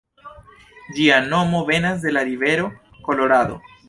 Ĝia nomo venas de la rivero Kolorado.